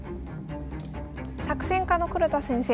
作戦家の黒田先生